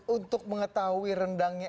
untuk mengetahui rendangnya